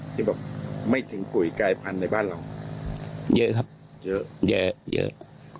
ที่บอกไม่ถึงปุ๋ยกลายพันธุ์ในบ้านเราเยอะครับเยอะเยอะ